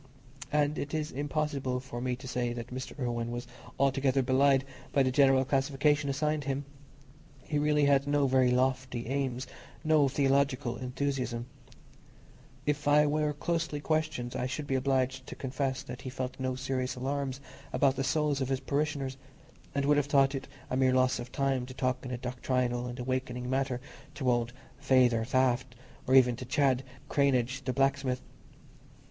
And it is impossible for me to say that Mr. Irwine was altogether belied by the generic classification assigned him. He really had no very lofty aims, no theological enthusiasm: if I were closely questioned, I should be obliged to confess that he felt no serious alarms about the souls of his parishioners, and would have thought it a mere loss of time to talk in a doctrinal and awakening manner to old "Feyther Taft," or even to Chad Cranage the blacksmith.